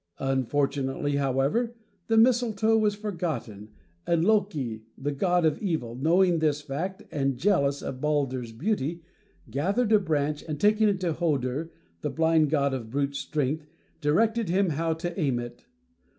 Unfortunately, however, the mistletoe was forgotten and Loki, the god of evil, knowing this fact and jealous of Baldur's beauty, gathered a branch, and taking it to Hödur, the blind god of brute strength, directed him how to aim it.